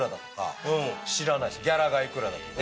ギャラが幾らだとか。